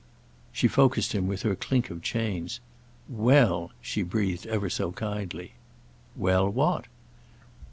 She focussed him with her clink of chains. "Well—!" she breathed ever so kindly. "Well, what?"